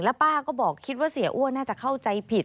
ป้าก็บอกคิดว่าเสียอ้วนน่าจะเข้าใจผิด